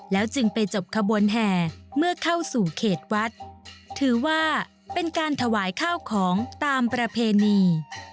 จึงไปจบขบวนแห่เมื่อเข้าสู่เขตวัดถือว่าเป็นการถวายข้าวของตามประเพณี